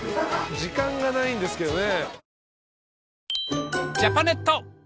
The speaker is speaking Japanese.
時間がないんですけどね。